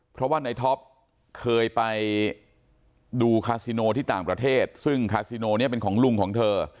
เพราะว่าในท็อปเคยไปดูคาซิโนที่ต่างประเทศซึ่งคาซิโนเนี่ยเป็นของลุงของเธอ